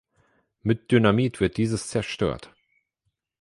Mit Dynamit wird dieses zerstört.